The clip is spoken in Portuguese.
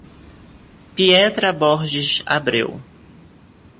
Pietra Borges Abreu